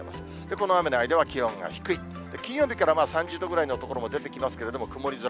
この雨の間は気温が低い、金曜日から３０度ぐらいの所も出てきますけれども、曇り空。